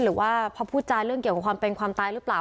หรือว่าพอพูดจาเรื่องเกี่ยวกับความเป็นความตายหรือเปล่า